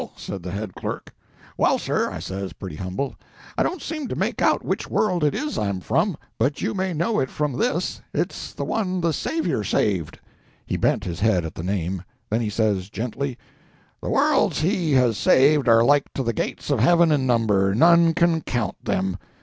said the head clerk. "Well, sir," I says, pretty humble, "I don't seem to make out which world it is I'm from. But you may know it from this—it's the one the Saviour saved." He bent his head at the Name. Then he says, gently— "The worlds He has saved are like to the gates of heaven in number—none can count them.